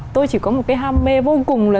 tôi chỉ có một cái ham mê vô cùng là